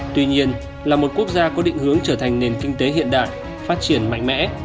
tuy nhiên là một quốc gia có định hướng trở thành nền kinh tế hiện đại phát triển mạnh mẽ